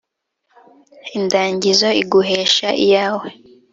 Indagizo iguhesha iyawe.